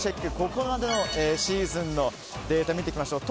ここまでのシーズンのデータを見ていきましょう。